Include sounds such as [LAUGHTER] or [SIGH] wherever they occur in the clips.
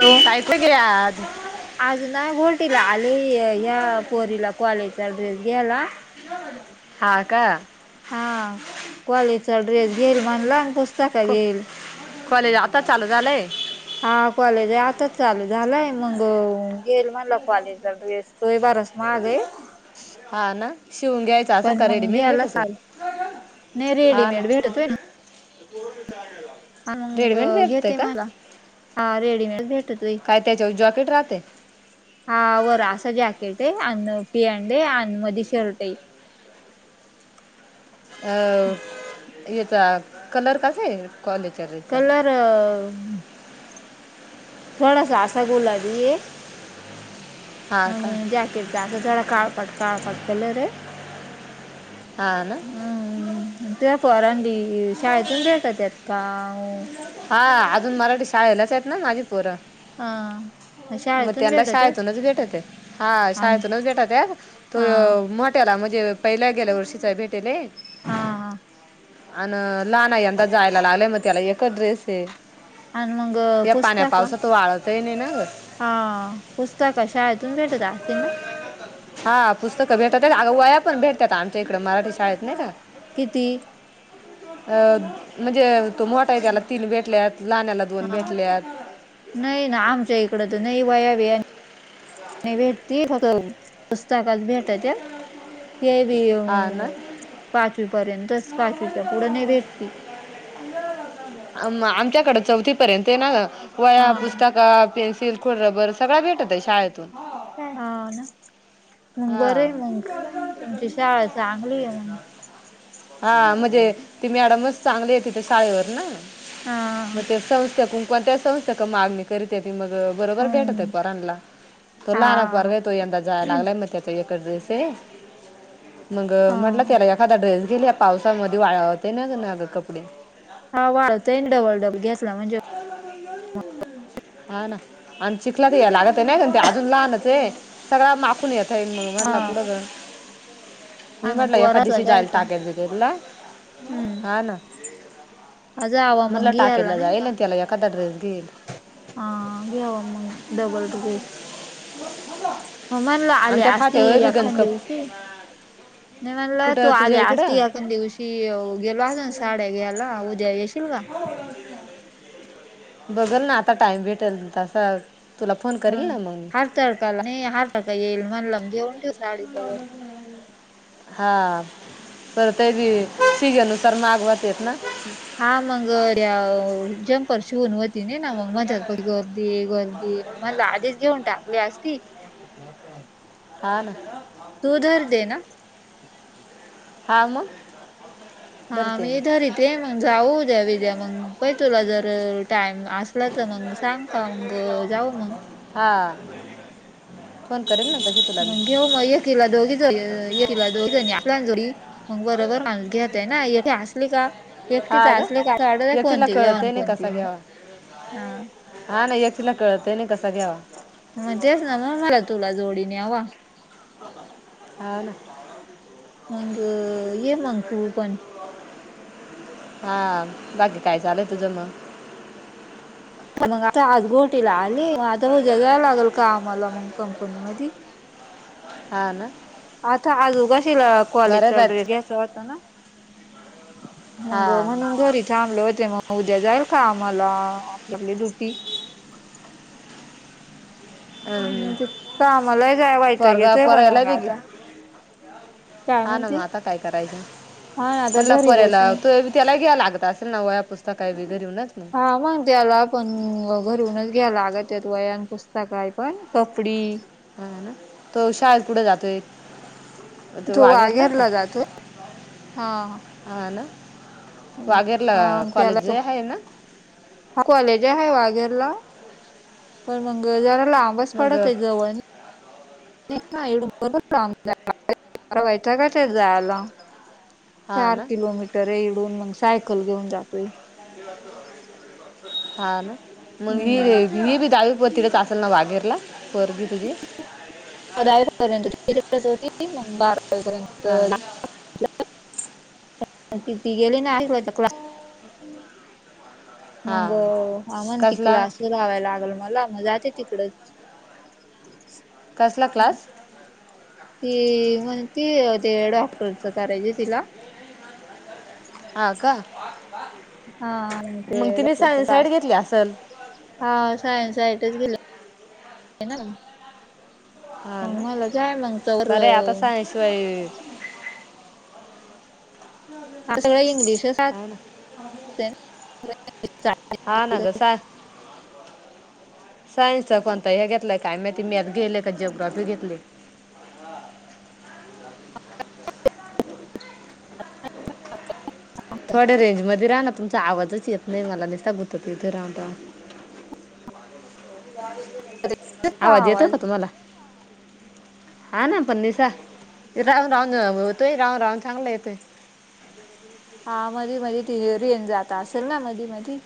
तो कायथ घे आज [UNINTELLIGIBLE] आज नाय बोलटीला आली यया पोरीला कॉलेजचा ड्रेस घ्यायला हा का. हा कॉलेजचा ड्रेस घेईल म्हणला आणि पुस्तक को- घेईल. कॉलेज आता चालू झालय. हा कॉलेज आहे आता चालू झालाय मग घेईल म्हणलं कॉलेजचा ड्रेस. लय ड्रेस महाग हाय. हा ना शिवून घ्यायच असेल का रेडिमेंट भेटते. नाय रेडीमेंट भेटतोय ना. तोर्च आहेला [INAUDIBLE] अंग घेते मला हा रेडीमेंट भेट काय त्याच्यावर जॉकेट राहते. हा वर असं जॅकेट हाय अन पीएँड आणि मध शर्ट हाय. अ याचा कलर कस आहे कॉलेजच्या ड्रेस चा. [UNINTELLIGIBLE] थोडासा असा गुलाबी हे. हा का आणि जॅकेटचा असा थोडा काळपाट काळपाट कलर हाय. हा ना. हम त्या पोरांनी शाळेतून भेटतात का. हा अजून मराठी शाळेलाच आहेत ना माझी पोरं. आ. मग त्यांना शाळेतूनच भेटत हा आणि शाळेतूनच भेटत तो. हा भेटल्यात म्हणजे पहिल्या गेल्या वर्षीचा भेटले. हां हा आनं लहाना यंदा जायला लागलंय मग त्याला एकच ड्रेसे आणि मग या पुस्तक पाण्यापावसात वाळतही नाही ना ग हा पुस्तक शाळेतून भेटत असतील ना. हा पुस्तकं भेटत अगं वाया पण भेटतात आमच्या इकड मराठी शाळेत नाही का. किती? अ म्हणजे तो मोठा आहे त्याला तीन भेटल्यात लहानला दोन हा भेटल्यात. नाही ना आमच्या इकड तर नाही वया बिया. नाही भेटती फक्त व पुस्तकात भेटत्या ते बी अ हा ना पाचवी पर्यंतच पाचवीच्या पुढं नाही भेटती अम आमच्याकडं चौथी पर्यंत आहे ना ग हा वह्या, पुस्तक, पेन्सिल, खोड रबर, सगळं भेटतय शाळेतून काय हा ना मग हा बरं आहे मग तुमची शाळा चांगली आहे मग हा मजे ती मॅडमच चांगलीय तिथं शाळेवर ना हा मग त्या संस्था कुंक कोणत्या संस् चक मागणी करीत्याती मग बरोबर हम्म भेटत्यात त्या रणला तो लहाना पोरगा हा आहे तो यंदा जाय लागलाय मज त्याचा एकच ड्रेसय मग हा म्हटल त्याला एक एखादा ड्रेस गेली या पावसामध्ये वाळवते नाग नाग कपडे हा वाळतय ना डबल डबल घेतला म्हणजे हा ना आण चिखलात ह्या लागतय नाही का ते अजून लहानचय सगळं माखून येत [UNINTELLIGIBLE] मग हा मधला कुढ जा हा मी ना म्हटलं एखाद पोराचा दिशी जाइल घ्यायचा टाकेत बिकेत ना हा ना अज हवा म्हटलं मंगी याला टाकायला नाही का जाईल आणि त्याला एखादा ड्रेस घेईल आं ग्याव मंग डबल रिजेक्श म म्हणल आली आमच्या असती फाट्यावर बी गंज एखाण कप दिवशी नाही म्हणल तू कुठं आली तुझ्या असती इकडं एक एखाण दिवशी अ गेलो असतो ना साड्या घ्याला उद्या येशील का? बघल ना आता टाइम भेटेल तसा तुला फोन करेल हम्म ना मग मी हारताळकाला नाही हारताळका येईल म्हणलं न घेऊन ठेऊस हा परतय बी सीघेनुसार मागवतेत ना हा मंग अ द्याव जंपर शिवून होत तिनी ना मग माझ्याच पती गर्दी गर्दी मग मनल आदिच घेऊन टाकली असती [UNINTELLIGIBLE] हा न तू धर देन हा मग हा मी इधर इथे मग जाऊद्या विद्या मग पय तुला जर टाइम आस लं तर मग सांग का मग जाऊ मग हा. फोन करेल ना [INAUDIBLE] तिथं मग घेऊ मग एकीला दोघी जणी एकिला दोघी जणी आसल्या ना जोडी मग बरोबर माणूस घेतय ना [UNINTELLIGIBLE] असली का हा एकटीच ग असली का अस वाटतय एकटीला कोणती घेवा न कळतंय कोणती नाही आ. हान एकटीला कळतं ही नाही कसा घ्यावा मग तेच ना मग मला तुला जोडी न्यावा हा ना मग अ ये मग तू पण हां बाकी काय चालु ये तुझं मग पण मग आता आज घोरटीला आली मग आता उद्या जाय लागल कामाला मग कंपनी मधी हा ना आता आजू कशी बरं कॉलेजचा बात ड्रेस घ्यायचा होता ना हा मग म्हणून घरी थांबले होते मग उद्या जाईल कामाला आपली आपली ड्युटी अं, म्हणजे कामाला ही जाया वैताग पोरगा येतोय पण पोरायला मग बी घे आता काय हा ना मग म्हणती आता काय करायचं? हा आता म्हणला घरी पोऱ्याला बसून तूय बी त्याला ही घ्याय लागत आसल ना वया पुस्तकाय बी घरूनच हा मग त्याला पण घरूनच घ्याला अगत त्यात वयान पुस्तकय पण कपडी हा ना तो शाळेला कुठे जातोय एक तो वाघेरला जातोय हा हा ना वाघेरला हा कॉलेजे आहे ना हा कॉलेज आहे वाघेरला पण मग जरा लांबच मग पडत आहे जवळ एवड बोलयचं का ते जायला हा चार ना किलोमीटर इडून मग सायकल घेऊन जातोय हा ना मग ही हम्म ही बी दहावी प तिथच असेल ना वाघेरला पोरगी तुझी दहावीजेपर्यंत तिथंच होती मग बारा हा वीपर्यंत. ना ति ती गेली ना आयर्वाकला हा मगो अ म्हणती कसला क्लास लावाय लागल मला मग जाते तिकडेच कसला क्लास ती म्हण ती ते डॉक्टरच करायची तिला हा का हा ते मग तिने डॉक्टरचा सायन्स साईड क्लास घेतली असल हा सायन्स साइटच घेतली ना हा मग ना मला जाय मग तर बर आता सायन्स शिवाय आ सगळं इंग्लिशच हा ना हा ना ग सा सायन्सच कोणता हे घेतलं काय मा तती मॅथ घेले का जओग्राफी घेतली हो ह थोड्या रेंज मध्ये राह ना तुमचा आवाजच येत नाही मला दिसता गुत त इथे राहून राहून आवाज येत का तुम्हाला हा ना पण निसा राहून राहून होतोय राहून राहून चांगला येतोय. ह हा मधी मध त हेर रेंज जात असेल ना मधी मधी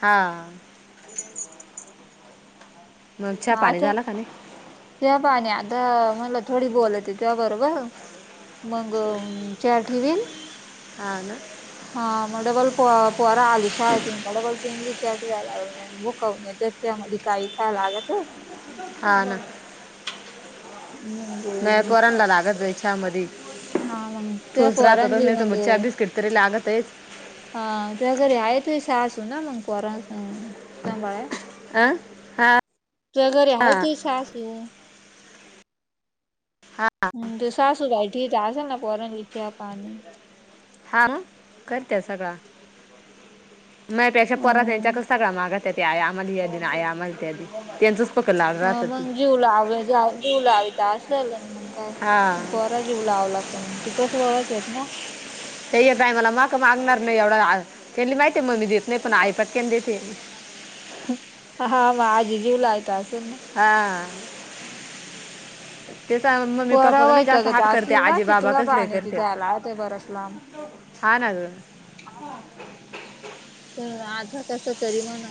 हा मग चहा पाणी झालं का नाही त्या पाणी आता मला थोडी बोलत आहे तुया बरोबर मग चहा ठेवीन हा ना हा म डबल प पोरं आलि शाळेतून का डबल त्यांना ही चहा ठेवाव भुकोन येतेत त्यामध्ये काई खाय लागत आहे हा ना मग मया पोरला लागत बाई चहा मधी हा मग त्या टोस्ट राहतातच पोरांली नाही तर मग मगच्या बिस्किट तरी लागत आहे. हा ते घरी आहे तु सासू ना मग परा सांभाळ अह हा तुया घरी आहे हा तुई सासू हा हम तू सासू भाई ठीच आश ना पोरण ला चहा पाणी हा करते सगळा मगपेक्षा परत हम्म यांच्याक सगळा मागा त्या ते आ आम्हाला या दे ना आई आम्हाला त्या त्यांचंच पकड लागलं अ राहतं ती मग जीवला जीवलावी तर असलेलं ना हा मग काय जीवला लावला का तिकडेच वळत य ना ते बाय मला मा का मागणार नाही एवढा त्यांनी माहितीय मग्मी देत नाही पण आई पटक्यान देते हा मग आजी जीव लावीत असेल ना. हा त्याचा मम्मी पोरा पप्पा नाही जास्त वैतागत हात करते असतील ना आजी बाबा चिखला कसले पाण्याची करते. जायला ते बरंच लांब हा ना हा पण आधा कसा तरी मण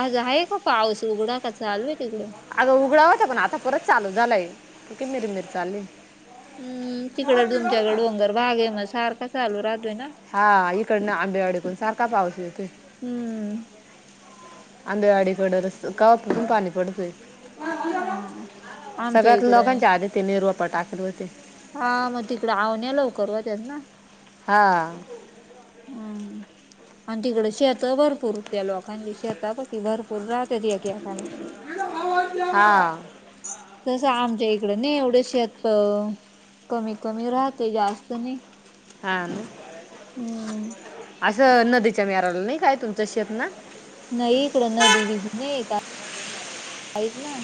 आज आहे का पाऊस उघडा का चालू आहेय तिकडं अगं उघडावता पण आता परत चालू झालाय त कि मिर मिर चालली हम् तिकडे तुमच्याकडे डोंगर भाग आहे मग सारखा चालू राहतोय ना हा इकडन आंबेवाडीकडून सारखा पाऊस येतोय हम्म अंंद्यावाडीकड र गवापासून पाणी पडतोय हा आमच्या सगळ्यात इकडं लोकांच्या आधी ते निरवाप टाकले होते हा मग तिकडं आवण्या लवकर व त्यात ना हा हम्म आणि तिकडं शेत भरपूरत लोकांची शता प भरपूर पुररा तेरीखि का ना हा तस आमच्या इकडं नाही एवढ्या शेत कमी कमी राहते जास्त नाही हा हम्म असं नदीच्या मेराला नाही काय तुमच्या शेप ना नाही इकडं नदी ब नाही का काच ना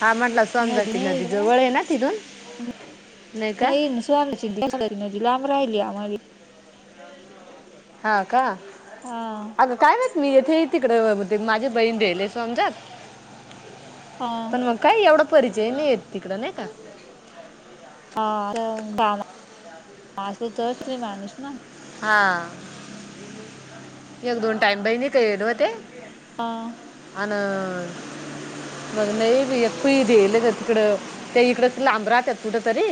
हा म्हटलं सोमजती नाही नदी इकडं. जवळ आहे ना तिथून नाही स्न न लांब राहिली आम्हाला हा का हा अगं काय वस मी येथे तिकडे माझी बहीण राेले समजाात हा पण मग काय एवढा परिचय नाही येत तिकडं नाही का हा मा त श्री माणूस ना हा एक दोन टाईम बहिणी काय गल हो ते ह अ ना मग नाही यप देल का तिकडं त्या इकड लांब राहतात कुठ तरी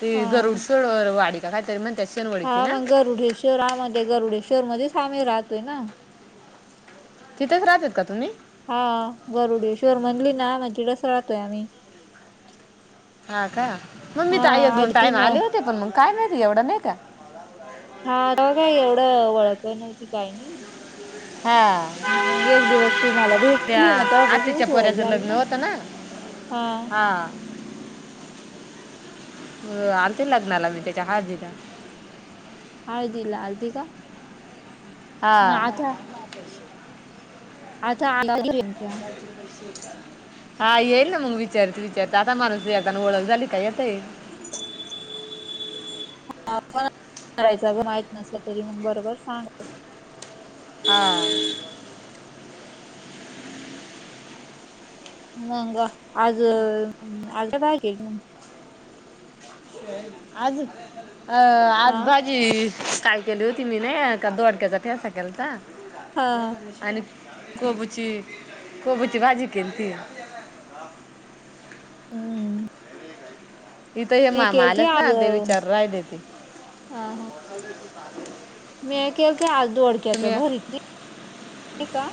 ते हा गरुड शड वाडी का कायतरी म्हण त्या हा मग गरुडे शहरामध्ये गरुडे शहर मध्येच आम्ही राहतोय ना तिथच राहतात का तुम्ही हा गरुड शुर म्हणली ना माझी रस राहतोय आम्ही हा का मग मी हा तर आई एक दोन आधी टाईम न आले होते पण मग काय माहिती एवढं नाही का हा ते काय एवढं वळख नती काय नाही हा मग एक दिवस तू मला त्या भेटली मग आतीच्या तेव्हापासूनच ओळख पोऱ्याचं झाली लग्न होतं ना हा अ आण ते लग्नाला मी त्याच्या हाजीच्या हळदला अर्दी का म हा आता आ आेच्या ह श हा येईल ना मग विचारत विचारत आता माणूस येताना ओळख झाली काय यता पण करायच माहत नसलं तरी मग बरोबर सांग हम मंग आज आज बाॅगल म आज अ आज हा भाज अ काय केली होती मी नाही का दोडक्याचा ठ्यासा केलता हा आणि कोबूची कोबूची भाजी केन ती हम् इथं हे मामा आलेत ना देवी चर्रा देेते ह हा का मी के ते आज दोडक्याच भरीत नाही का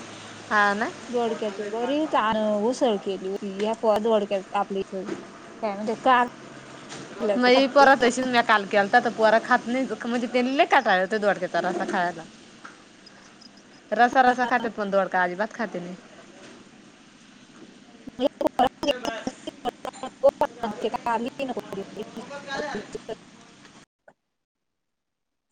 हां ना जोडक्यात बरी उसळ केली ती पद ओळख्या आपली इथ म्हणजे मजपरात तशीच म काल केलता तर पोरा खात नाही म्हणजे तेले कााय हो दडोडक्या तार असा खायला [INAUDIBLE] रसा रसा खातेत पण दोडका अजिबात खाते नाही. [UNINTELLIGIBLE] आली नव्हती ती